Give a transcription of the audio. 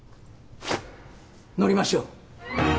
乗りましょう。